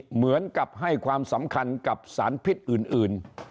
เหมือนกับให้ความสำคัญกับสารพิษอื่น